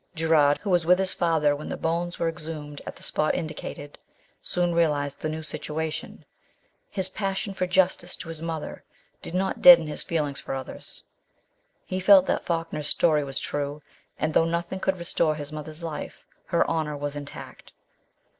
Gerard, who was with his father when the bones were exhumed at the spot indicated, soon realised the new situation. His passion for justice to his mother did not deaden his 202 MBS. SHELLEY. feeling for others. He felt that Falkner's story was true, and though nothing could restore his mother's life, her honour was intact.